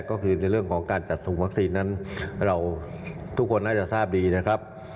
ก็คือในเรื่องของการจัดถุงวัคซีนนั้นเราทุกคนน่าจะทราบดีนะครับ